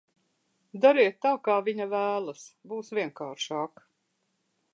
Dariet tā, kā viņa vēlas, būs vienkāršāk.